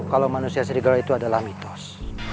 kalau manusia serigala itu adalah mitos